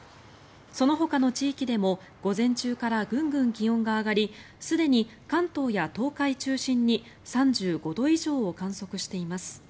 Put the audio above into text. そのほかの地域でも午前中からぐんぐん気温が上がりすでに関東や東海中心に３５度以上を観測しています。